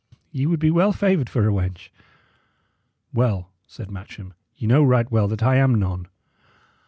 Ye would be well favoured for a wench." "Well," said Matcham, "ye know right well that I am none."